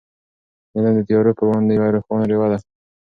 علم د تیارو په وړاندې یوه روښانه ډېوه ده.